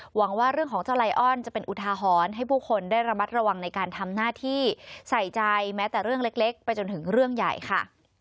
หวังว่าเรื่องของเจ้าไลอ้อนจะเป็นอุทาหรณ์ให้ผู้คนได้ระมัดระวังในการทำหน้าที่ใส่ใจแม้แต่เรื่องเล็กไปจนถึงเรื่องใหญ่ค่ะ